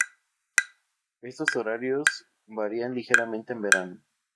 Estos horarios varían ligeramente en verano.